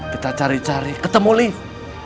kita cari cari ketemu lift